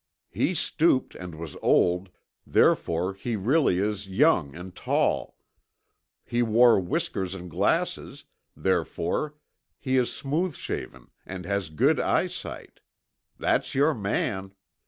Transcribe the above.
He stooped and was old, therefore he really is young and tall. He wore whiskers and glasses, therefore he is smooth shaven and has good eyesight. That's your man."